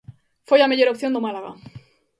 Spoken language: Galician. Foi a mellor opción do Málaga.